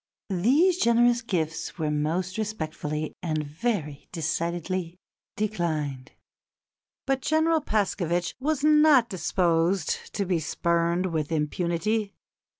These generous gifts were most respectfully and very decidedly declined." But General Paskevitch was not disposed to be spurned with impunity.